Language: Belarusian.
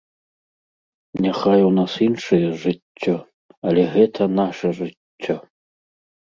Няхай у нас іншае жыццё, але гэта наша жыццё.